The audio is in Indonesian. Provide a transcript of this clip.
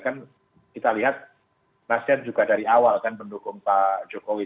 kan kita lihat nasihat juga dari awal kan mendukung pak jokowi